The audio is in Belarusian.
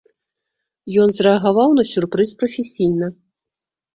Ён зрэагаваў на сюрпрыз прафесійна.